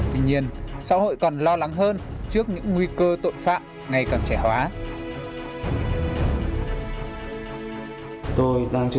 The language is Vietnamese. tuy nhiên xã hội còn lo lắng hơn trước những nguy cơ tội phạm ngày càng trẻ hóa